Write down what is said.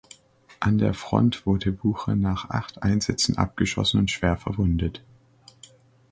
An der Front wurde Bucher nach acht Einsätzen abgeschossen und schwer verwundet.